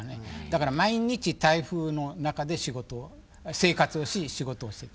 だから毎日台風の中で生活をし仕事をしてた。